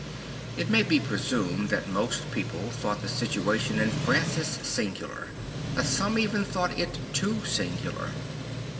I t may be presumed that most people thought the situation of Francis singular, that some even thought it too singular.